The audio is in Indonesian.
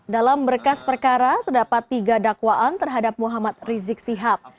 dalam berkas perkara terdapat tiga dakwaan terhadap muhammad rizik sihab